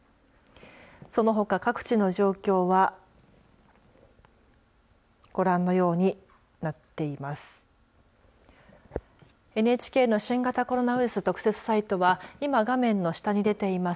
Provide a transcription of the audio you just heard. そのほか、各地の状況はご覧のようになっています。